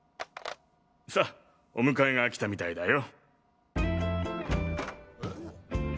さお迎えがきたみたいだよ。